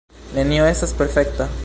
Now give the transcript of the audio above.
Nenio estas perfekta.